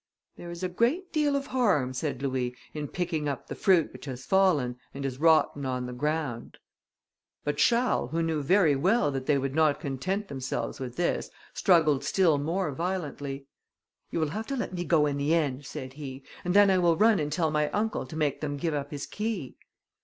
"There is a great deal of harm," said Louis "in picking up the fruit which has fallen, and is rotting on the ground." But Charles, who knew very well that they would not content themselves with this, struggled still more violently. "You will have to let me go in the end," said he, "and then I will run and tell my uncle to make them give up his key."